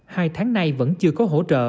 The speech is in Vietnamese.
hai tháng nay vẫn chưa có hỗ trợ